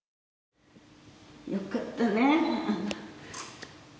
よかったね。